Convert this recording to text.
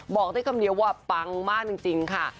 บอกได้คำเดียวว่าปังมากจริงค่ะ